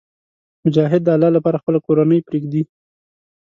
مجاهد د الله لپاره خپله کورنۍ پرېږدي.